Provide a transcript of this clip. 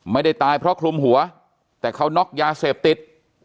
ไม่ได้ตายเพราะคลุมหัวแต่เขาน็อกยาเสพติด